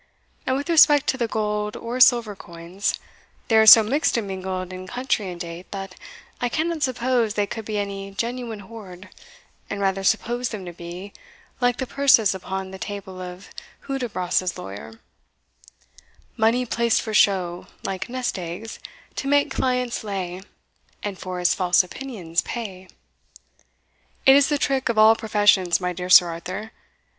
And with respect to the gold or silver coins, they are so mixed and mingled in country and date, that I cannot suppose they could be any genuine hoard, and rather suppose them to be, like the purses upon the table of Hudibras's lawyer Money placed for show, Like nest eggs, to make clients lay, And for his false opinions pay. It is the trick of all professions, my dear Sir Arthur.